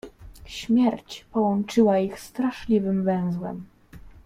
"Śmierć połączyła ich straszliwym węzłem."